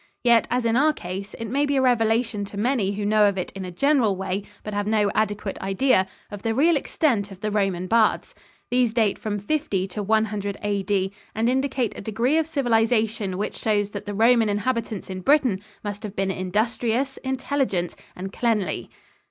Yet, as in our case, it may be a revelation to many who know of it in a general way but have no adequate idea of the real extent of the Roman baths. These date from 50 to 100 A.D. and indicate a degree of civilization which shows that the Roman inhabitants in Britain must have been industrious, intelligent and cleanly.